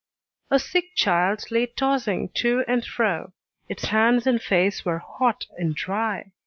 A sick child lay tossing to and fro: its hands and face were hot and dry.